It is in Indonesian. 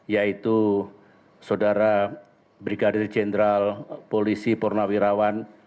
yaitu saudara brigadir jenderal polisi purnawirawan